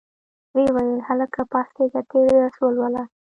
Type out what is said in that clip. ویې ویل هلکه پاڅیږه تېر درس ولوله.